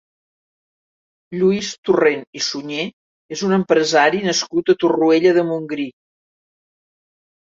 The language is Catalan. Lluís Torrent i Suñé és un empresari nascut a Torroella de Montgrí.